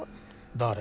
誰？